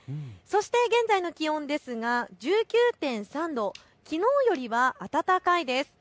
現在の気温ですが１９．３度、きのうよりは暖かいです。